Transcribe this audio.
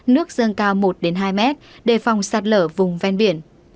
nước dâng cao một hai mét đề phòng sạt lở vùng ven biển